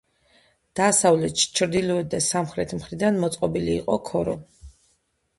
დასავლეთ, ჩრდილოეთ და სამხრეთ მხრიდან მოწყობილი იყო ქორო.